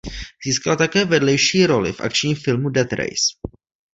Získala také vedlejší roli v akčním filmu "Death Race".